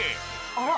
あら！